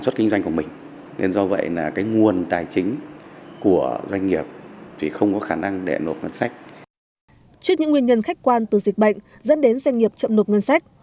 trước những nguyên nhân khách quan từ dịch bệnh dẫn đến doanh nghiệp chậm nộp ngân sách